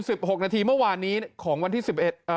หกนาทีเมื่อวานนี้ของวันที่สิบเอ็ดเอ่อ